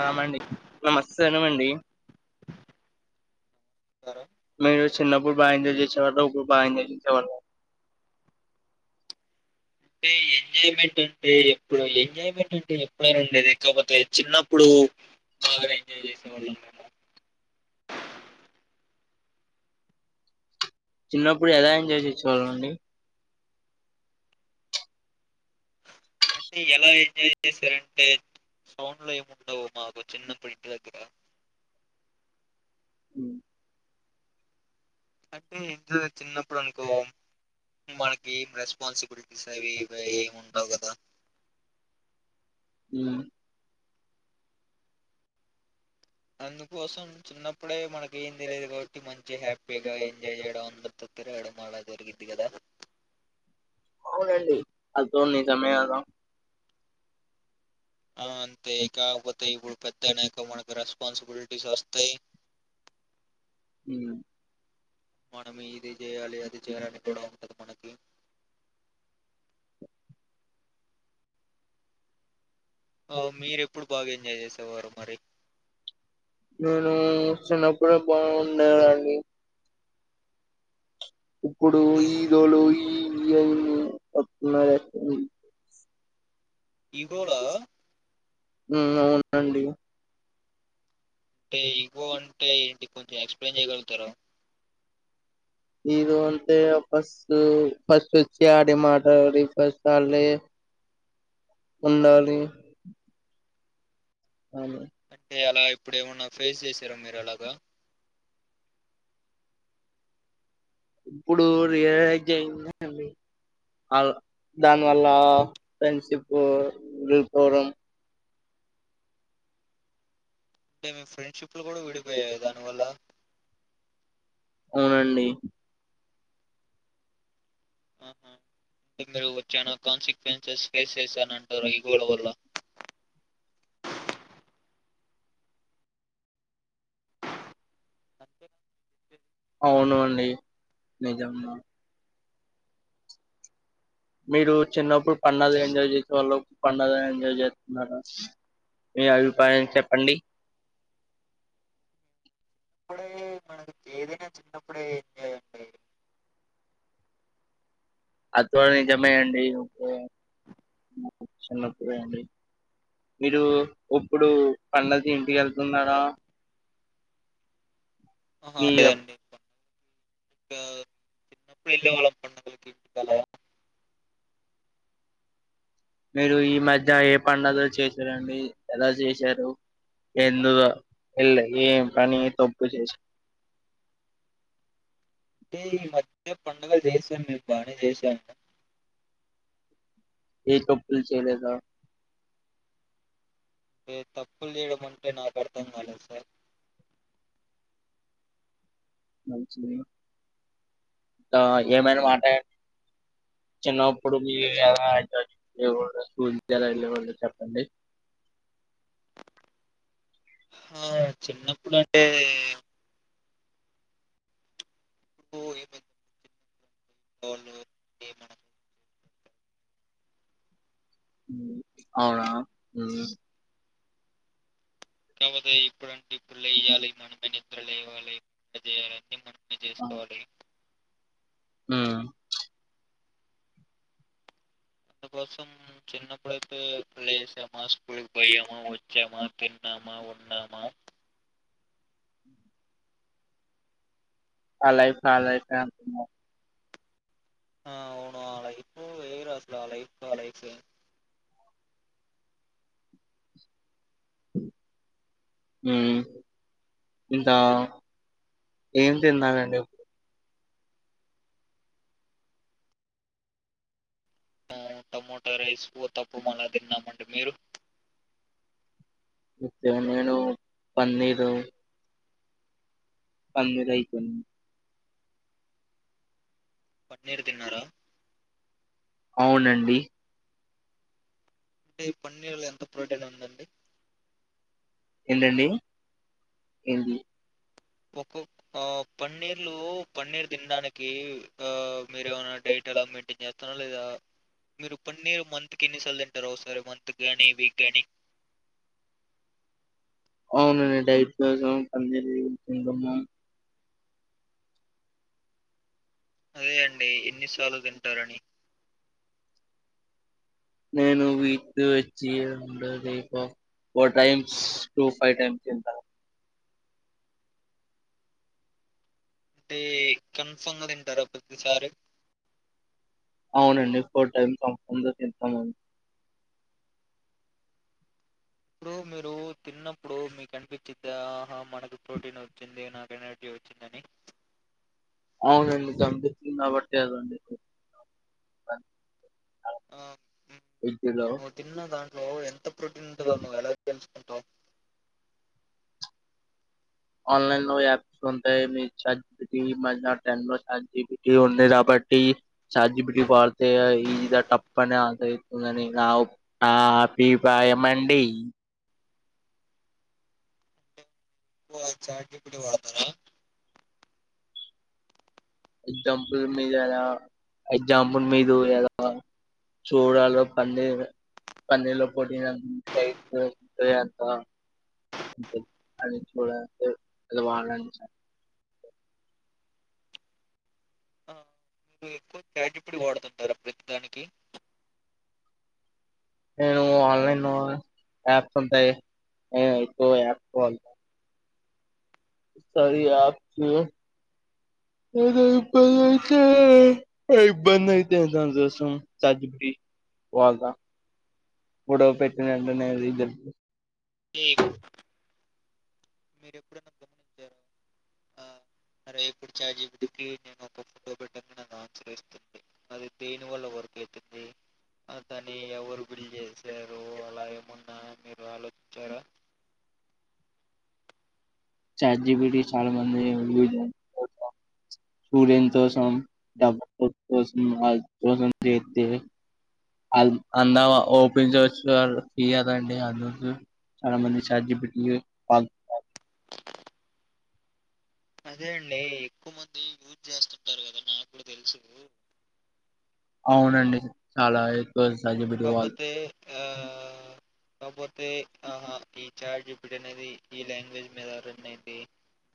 ఆమ అండి నమస్తే సనమండి స్తారా మీరు చిన్నప్ప ఇప్పుడు బాగా ఎంజాయ్ చేసేవాళ్ళ అప్పుడు బాగా ఎంజాయ్ చేసేవాళ్ళ అంటే ఎంజాయ్మెంట్ అంటే ఎప్పుడు ఎంజాయ్మెంట్ అంటే ఎప్పుడైనా ఉండేది కాకపోతే చిన్నప్పుడు బాగానే ఎంజాయ్ చేసేవాళ్ళం మేము చిన్నప్పుడు ఎలా ఎంజాయ్ చేసేవాళ్ళు అండి అంటే ఎలా ఎంజాయ్ చేశారంటే సౌండ్ లో ఏము ఉండవు మాకు చిన్నప్పుడు ఇంటి దగ్గర ఉ అంటే ఇందు చిన్నప్పుడు అనుకో మనకి ఏం రెస్పాన్సిబిలిటీస్ అవి ఇవి ఏమి ఉండవు కదా అ అందుకోసం చిన్నప్పుడే మనకి ఏం తెలిదు కాబట్టి మంచిగా హ్యాపీగా ఎంజాయ్ చేయడం అందరితో తిరగడం అలా జరిగిది కదా అవునండి అద నిజమే కదా ఆ అంతే కాకపోతే ఇప్పుడు పెద్దనేక మనకి రెస్పాన్సిబిలిటీస్ వస్తాయి హ మనం ఇది చేయాలి అది చేయాలని కూడా ఉంటది మనకి ఓ మీరు ఎప్పుడు బాగా ఎంజాయ్ చేసేవారు మరి నేను చిన్నప్పుడే బాగుండెది అండి ఇప్పుడు అంటే ఈగోలు ఈ [unintelligible] ఇవోళ. ఉమ్, అవునండి. ఎ ఇగో అంటే ఏంటి, కొంచెం ఎక్స్ప్లెయిన్ చెయ్యగలుగుతార. ఈద అంటే, అ ఫస్ట్, ఫస్ట్ వొచ్చి ఆడి మాటాడి ఫస్ట్ ఆల్లే, ఉండాలి. అని ఎ అలా ప్. ఇప్పుడు ఏమన్నా, ఫేస్ చేసారా, మీరు అలాగా. ఇప్పుడు రియలైజ్ చేంజ్ అయింది, ఆల్, దానివల్ల, ఫ్రెండ్షిపు, విడిపోవడం. అంటే, మి ఫ్రెండ్షిప్ లు కూడా, విడిపోయాయి దానివల్ల. అవునండి. ఇక్కడ వొచ్చినాక, కాన్సిక్వెన్సెస్ ఫేస్ చేసా అంటారు ఇగోలా వల్ల. [inaudible] అవును అండి, నిజం. మీరు చిన్నప్పుడు పండగ ఎంజాయ్ చేసే వాళ్ళు, పండగ ఎంజాయ్ చేస్తున్నారా, మీ అభిప్రాయం చెప్పండి. ఇప్పుడే, మనకు ఏదైనా చిన్నప్పుడే, ఎంజ్. అద్గుడ నిజమేయండి, మీరు ఉప్పుడు పండక్కి ఇంటికి కెళ్తున్నారా. ఆహా మీ లేదండి. ఇంకా [unintelligible] మీరు ఈ మధ్య ఏ పండగ చేశారండి ఎలా చేశారు, ఎందు, ఎల్, ఎ, పని, తప్పు చేశారు. అంటే, ఈ మధ్య పండుగలు చేసాను, మేమ్ బానే చేశాను. ఏ తప్పులు, చెయ్యలేదా. ఎ తప్పులు చేయడం అంటే, నాకు అర్థం కాలేద్ సార్. ఏమైనా మాటదండి, చిన్నప్పుడు మీరు ఎలా చదువుకునే వాళ్ళు, స్కూల్ ఎలా వెళ్ళేవాళ్లు, చెప్పండి. ఆ, చిన్నప్పుడు అంటే. [unintelligible] అవునా. కాకపోతే, ఇప్పుడుంటే ఇప్పుడు లెయాలి, మనమే నిద్రలు లెవాలి, ఇ చేయ్యాలి మన. చేసుకోవాలి. ఆ. అందుకోసం చిన్నప్పుడైతే పాల్ చేసామా స్కూల్కి పోయామా వచ్చామా తిన్నామా ఉన్నామా. ఆ లైఫ్ న లైఫ్ ఫె అంటున్నారు. ఆ అవును ఆ లైఫు, వెరు అసలు ఆ లైఫు ఆ లైఫె. ఉమ్ ఇంకా, ఏం తిన్నావండి. అ టమోటా రైస్, ఉతప్పం అలాా తిన్నామండి మీరు. ఉత్య నేను పన్నీరు. పందిరాయుతుంది. పన్నీరు తిన్నారా. అవునండి. అంటే, ఈ పన్నీర్లో ఎంత ప్రోటీన్ ఉందండి. ఎల్లెల్లులి ఎల్లి. ఒక్కొక్క ఆ పన్నీర్లు, పన్నీర్ తినడానికి ఆ మీరు ఏమైనా డైట్ ఎలా మెయింటైన్ చేస్తార లేదా, మీరు పన్నీర్ మంత్ కి ఎన్నిసార్లు తింటార ఒకసారి మంత్ గాని వీక్ గాని. అవునండి డైట్ కోసం, పన్నీర్ తీసుకుంటున్న. అదే అండి, ఎన్నిసార్లు తింటారని. నేను వీక్ వచ్చి ఉండ four times two five times తింటాను. అంటే, కన్ఫామ్గా తింటారా ప్రతిసారి. అవునండి, ఫోర్ టైమ్ కన్ఫామ్గ తింటానండి. ఇప్పుడు మీరు తిన్నప్పుడు మీకు అనిపించిహా మనకు ప్రోటీన్ వచ్చింది నాకు ఎనర్జీ వచ్చిందని అవునండి కంపించంది కాబట్టి అదండి ఆ ఏ కలో లో ఎంత ప్రోటీన్ అం ఆన్లైన్ లో యాప్స్ ఉంటాయి మీ చజ మ టన్ లో సజిటీ ఉంది కాబట్టి చార్జిబటీ పడితే ఇ తప్పనే ఆసర్స్తుందిని నాపీప్రాయం అండి ఒ చాట్ జి పి టి వాడుతార ఎగ్జాంపుల్ మీద ఎలా ఎగ్జాంపుల్ మీరు ఎలా చూడలో పన్న పన్నర్లో పోట్న ఎంత అ చూడాలంటే అది వాలడి ఎ తజ పూడి వాడుతుంటారా ప్రతి దానికి నేను ఆన్లైన్ యాప్స్ అ [unintelligible] [unintelligible] ఇబ్బంది అయితే ఇబ్బంది అయితే దానికోసం చాట్ జి పి టి వాడ్తా గొడవ పెట్టినంటనే అంటే అది మీకు- మీరు ఎప్పుడన్నా గమనించారా ఆ, అరే ఇప్పుడు చాట్ జి పి టి కి నేను ఒక ఫోటో పెట్టంగానే అది ఆన్సర్ ఇస్తుంది, అది పెయిన్ వల్ల వర్క్ అవుతుంది, అ దాని అది ఎవరు బిల్డ్ చేసారో అల ఎమన్నా మీరు ఆలోచించారా చాట్ జి పి టి చాలా మంది యూస్ కోసడబ కోస వా కోసం చేతే అంద ఓపెన్చచ్చ ఫ అదండి అజు చాలా మంది చార్జీ పటి అదే అండి ఎక్కువ మంది యూజ్ చేస్తుంటారు కదా నాకు కూడా తెలుసు అవునండి చాలా ఎక్కువ చాట్ జీపీటీ వాడ్ కాకాపోతే ఆ ఆ కాకపోతే ఆహా ఈ చార్ట్ జిపిటి అనేది ఈ లాంగ్వేజ్ మీద రన్ అయిది,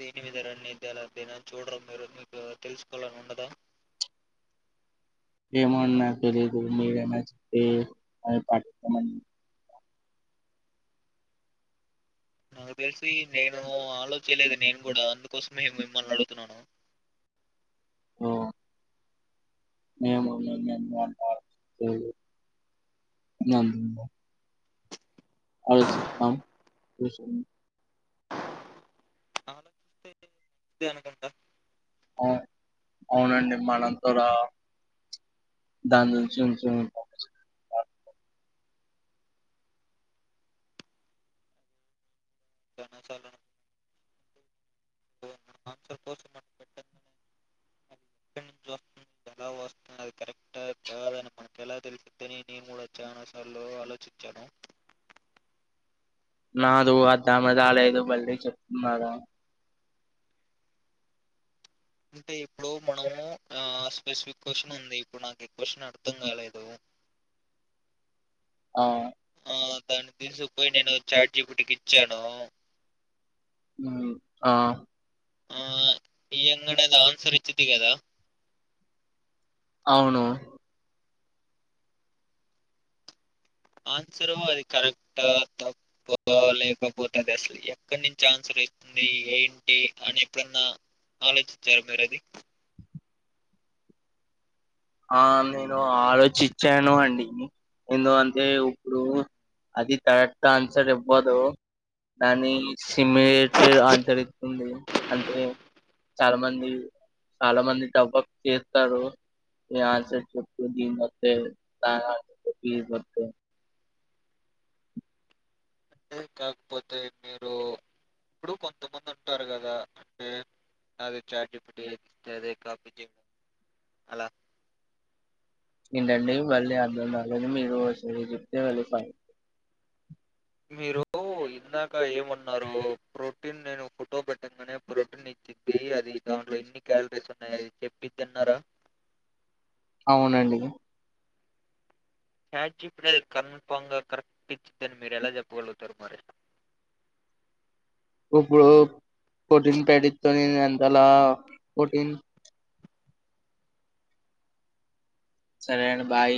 దేని మీద రన్ అయిది అలా దేని చూడరా మీరు మీకు తెలుసుకోవాలని ఉండదా ఏమో అన్న తెలీదు మీరు అన్న చెప్తే [unintelligible] నాకు తెలిసి నేను ఆలోచలేదు నేను కూడా అందుకోసమే మిమ్మల్ని అడుగుతున్నాను. ఓ మేము మేం అ చెప్తం [unintelligible] [unintelligible] అస్తే అనుకంట అ అవునండి మనకు కూడా దాని నుంచి [inaudible] చనా చాల మన్స పోస పెట్ట ఎలా వస్తుంది అది కరెక్టా కాదని మనకు ఎలా తెలుసిద్దని నేను కూడా చ్చానాసార్లు ఆలోచించాను నాదు అద్దామ రాలేదు మళ్ళీ చెప్తున్నారా అంటే ఇప్పుడు మనము ఆ స్పెసిఫిక్ క్వశ్చన్ ఉంది ఇప్పుడు నాకి క్వశ్చన్ అర్థం కాలేదు. అవు ఆ దాన్ని తీసుకుపోయి నేను చాజీప్టికి ఇచ్చాను ఉమ్ ఆ ఆ ఇయ్యంగానే అది ఆన్సర్ ఇచ్చిదీ గాద అవును ఆన్సర్ అది కరెక్ట్ తప్ప లేకపోతుంది అసలు ఎక్కడి నించి ఆన్సర్ ఉంటుంది ఏంటి అని ఎప్పుడన్నా ఆలోచించారా మీరు అది ఆ నేను ఆలోచించాను అండి ఎందుకంటే ఉప్పుడు అది కరెక్ట్ ఆన్సర్ ఇవ్వదు దాని సోమేటర్ ఆన్సర్ ఇతుంది అంటే చాలా మంది చాలా మంది డబక్ చెత్తరు ఏ ఆన్సర్ చోపుతుంటే [unintelligible] కాకపోతే మీరు ఇప్పుడు కొంతమంది ఉంటారు కదా అంటే అది చార్జీపిటికి ఇతెదే కాపీ తీ అలా ఏంటండి మళ్ళీ అర్ధంకాలేదు మీరు ఓ సారి జేప్తే వెళ్ళి పాయ్ మీరు ఇందాక ఏమన్నారు ప్రోటీన్ నేను ఫోటో పెట్టంగానే ప్రోటీన్ ఇచ్చిది అది దాంట్లో ఎన్ని క్యాలరీస్ ఉన్నాయి అది చెప్పిద్దిన్నారా అవునండి చార్జీపీట్టి కన్ఫామ్ గా కరెక్ట్ ఇచ్చిద్దని మీరు ఎలా చెప్పగలుగుతారు మరి ఇప్పుడు పోటీన్ పెడితోని అంత అలా పోటీన్ సరే అండ్ బాయ్